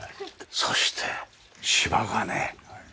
そして芝がね